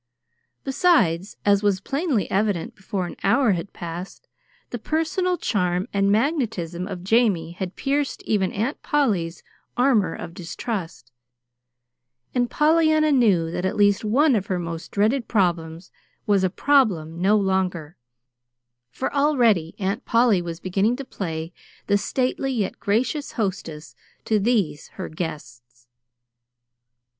Besides, as was plainly evident before an hour had passed, the personal charm and magnetism of Jamie had pierced even Aunt Polly's armor of distrust; and Pollyanna knew that at least one of her own most dreaded problems was a problem no longer, for already Aunt Polly was beginning to play the stately, yet gracious hostess to these, her guests.